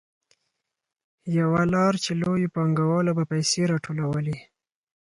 یوه لار چې لویو پانګوالو به پیسې راټولولې